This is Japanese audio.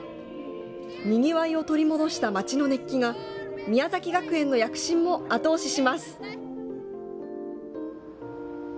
にぎわいを取り戻した街の熱気が宮崎学園の躍進も後押しします。